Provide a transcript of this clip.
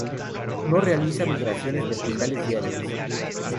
No realiza migraciones verticales diarias.